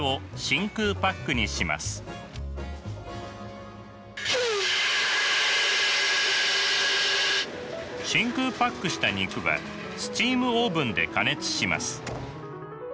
真空パックした肉はスチームオーブンで加熱します。